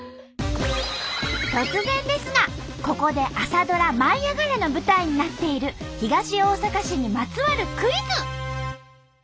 突然ですがここで朝ドラ「舞いあがれ！」の舞台になっている東大阪市にまつわるクイズ！